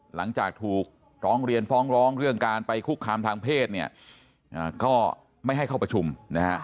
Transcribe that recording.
หลังจากถูกร้องเรียนฟ้องร้องเรื่องการไปคุกคามทางเพศเนี่ยก็ไม่ให้เข้าประชุมนะฮะ